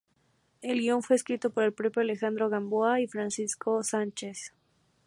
El guion fue escrito por el propio Alejandro Gamboa y Francisco Sánchez.